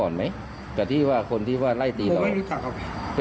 ได้ติดคลิกครับ